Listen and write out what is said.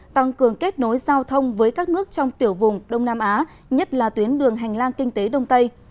tăng cường kết nối giao thông với các nước trong tiểu vùng đông nam á nhất là tuyến đường hành lang kinh tế đông tây